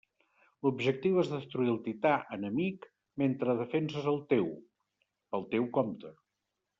L'objectiu és destruir el tità enemic mentre defenses el teu, pel teu compte.